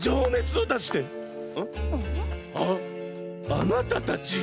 あなたたち！